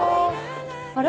あれ？